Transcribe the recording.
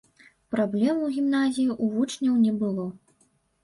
Праблем у гімназіі ў вучняў не было.